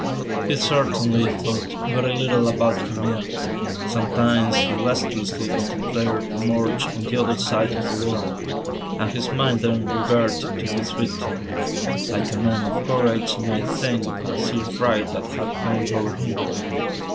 He certainly thought very little about Camille. Sometimes he listlessly contemplated the Morgue on the other side of the water, and his mind then reverted to his victim, like a man of courage might think of a silly fright that had come over him.